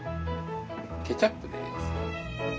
ケチャップです。